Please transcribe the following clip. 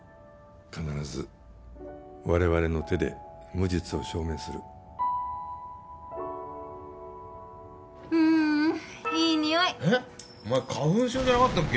必ず我々の手で無実を証明するうんいい匂いえっお前花粉症じゃなかったっけ？